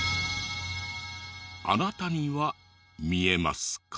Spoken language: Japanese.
あなたには見えますか？